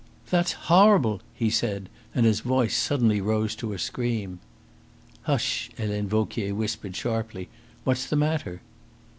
"That's horrible," he said, and his voice suddenly rose to a scream. "Hush!" Helene Vauquier whispered sharply. "What's the matter?"